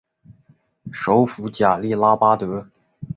首府贾利拉巴德。